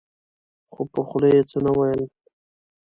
خو په خوله يې څه نه ويل.